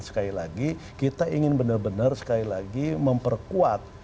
sekali lagi kita ingin benar benar sekali lagi memperkuat